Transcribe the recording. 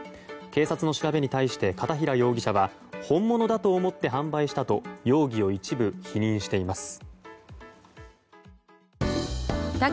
警察の調べに対して片平容疑者は本物だと思って販売したと容疑を一部否認しています。